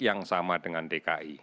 yang sama dengan dki